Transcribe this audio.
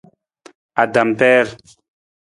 Atampeer.